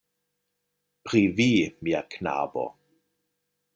Pri vi, mia knabo.